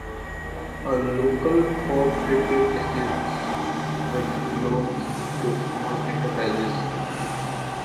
A local cooperative assists with loans to small enterprises.